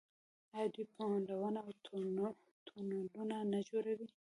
آیا دوی پلونه او تونلونه نه جوړوي؟